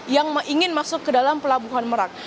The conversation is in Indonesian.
yang ingin masuk ke dalam pelabuhan merak